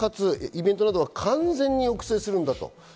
無観客かつイベントなど完全に抑制するんだと。